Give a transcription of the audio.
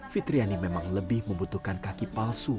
fitriani memang lebih membutuhkan kaki palsu